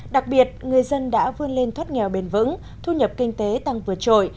đặc biệt người dân đã vươn lên thoát nghèo bền vững thu nhập kinh tế tăng vượt trội